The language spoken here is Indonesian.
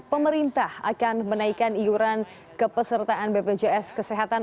pemerintah akan menaikkan iuran kepesertaan bpjs kesehatan